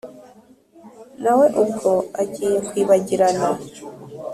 Nawe ubwo agiye kwibagirana